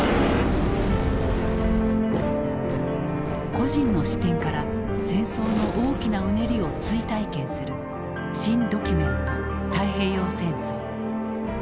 個人の視点から戦争の大きなうねりを追体験する「新・ドキュメント太平洋戦争」。